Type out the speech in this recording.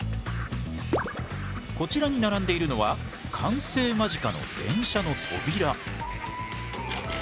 こちらに並んでいるのは完成間近の電車の扉。